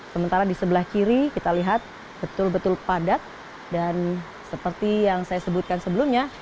sementara di sebelah kiri kita lihat betul betul padat dan seperti yang saya sebutkan sebelumnya